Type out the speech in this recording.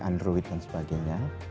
android dan sebagainya